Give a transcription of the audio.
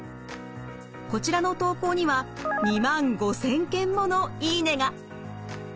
こちらの投稿には２万５，０００件もの「いいね」が。